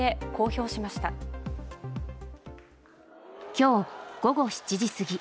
今日午後７時過ぎ。